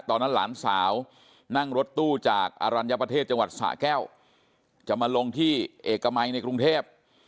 หลานสาวนั่งรถตู้จากอรัญญประเทศจังหวัดสะแก้วจะมาลงที่เอกมัยในกรุงเทพ